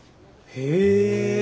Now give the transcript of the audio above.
へえ。